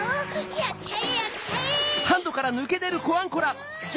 やっちゃえやっちゃえ！